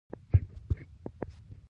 هغه د خلکو مینه او همکاري ولیده.